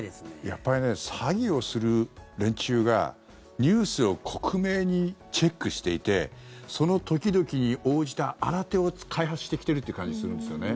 やっぱりね詐欺をする連中がニュースを克明にチェックしていてその時々に応じた新手を開発してきてるという感じがするんですよね。